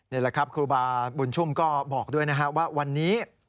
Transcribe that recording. นี่แหละครับครูบาบุญชุ่มก็บอกด้วยนะฮะว่าวันนี้